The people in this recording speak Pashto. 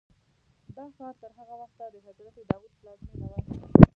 دا ښار تر هغه وخته د حضرت داود پلازمینه وه.